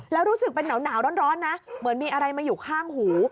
แล้วรู้สึกเป็นหนาวร้อนนะเหมือนมีอะไรมาอยู่ข้างหู